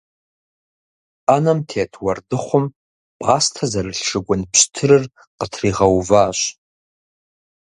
Ӏэнэм тет уэрдыхъум пӏастэ зэрылъ шыгун пщтырыр къытригъэуващ.